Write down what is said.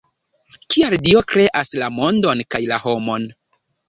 Kial Dio kreas la mondon kaj la homon?